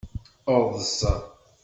Eḍs.